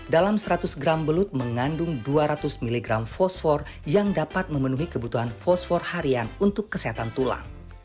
dalam seratus gram belut mengandung dua ratus miligram fosfor yang dapat memenuhi kebutuhan fosfor harian untuk kesehatan tulang